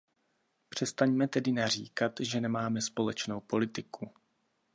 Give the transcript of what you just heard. Přestaňme tedy naříkat, že nemáme společnou politiku.